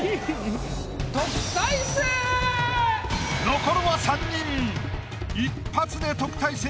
残るは三人。